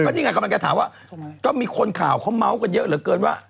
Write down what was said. นี่ไงกำลังจะถามว่าก็มีคนข่าวเขาเมาส์กันเยอะเหลือเกินว่า